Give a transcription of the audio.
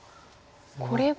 これは？